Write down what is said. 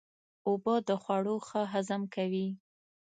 اوبه د خوړو ښه هضم کوي.